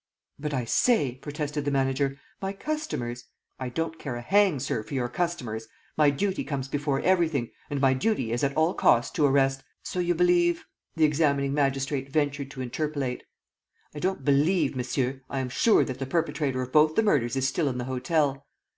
..." "But I say," protested the manager, "my customers?" "I don't care a hang, sir, for your customers! My duty comes before everything; and my duty is at all costs to arrest. ..." "So you believe ..." the examining magistrate ventured to interpolate. "I don't believe, monsieur ... I am sure that the perpetrator of both the murders is still in the hotel."